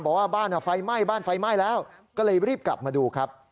บอกว่าบ้านไฟไหม้บ้านไฟไหม้แล้วก็เลยรีบกลับมาดูครับ